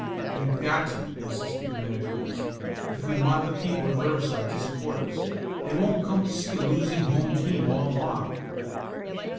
"We've got to!" insisted the manager earnestly, "if we want the people of Riverside to support us. They won't come to see a losing home team all the while."